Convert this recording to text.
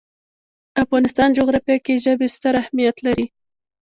د افغانستان جغرافیه کې ژبې ستر اهمیت لري.